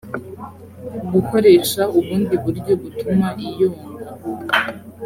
gukoresha ubundi buryo butuma iyonga